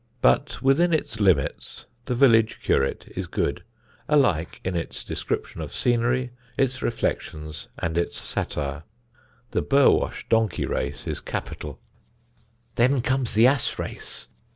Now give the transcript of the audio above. But within its limits "The Village Curate" is good, alike in its description of scenery, its reflections and its satire. The Burwash donkey race is capital: Then comes the ass race.